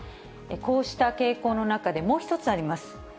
こうした傾向の中で、もう一つあります。